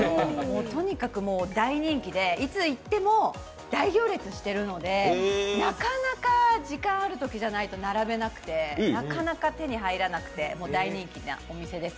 とにかく大人気で、いつ行っても大行列しているのでなかなか時間あるときじゃないと並べなくて、なかなか手に入らなくて、大人気なお店です。